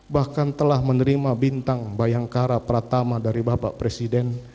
bahkan telah menerima bintang bayangkara pertama dari bapak presiden